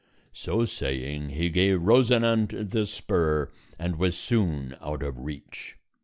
So saying, he gave Rosinante the spur and was soon out of reach.